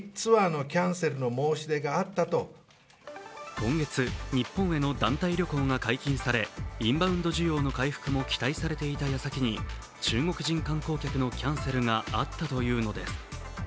今月、日本への団体旅行が解禁されインバウンド需要の回復も期待されていた矢先に、中国人観光客のキャンセルがあったというのです。